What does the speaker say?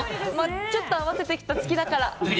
ちょっと合わせてきた好きだから。